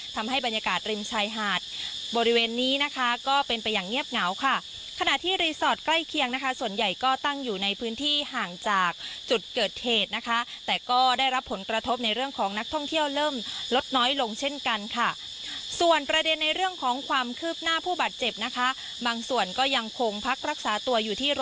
ทำให้บรรยากาศริมชายหาดบริเวณนี้นะคะก็เป็นไปอย่างเงียบเหงาค่ะขณะที่รีสอร์ทใกล้เคียงนะคะส่วนใหญ่ก็ตั้งอยู่ในพื้นที่ห่างจากจุดเกิดเหตุนะคะแต่ก็ได้รับผลกระทบในเรื่องของนักท่องเที่ยวเริ่มลดน้อยลงเช่นกันค่ะส่วนประเด็นในเรื่องของความคืบหน้าผู้บาดเจ็บนะคะบางส่วนก็ยังคงพักรักษาตัวอยู่ที่ร